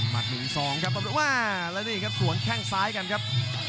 มัดหนึ่งสองครับแล้วนี่ครับสวนแข้งซ้ายกันครับ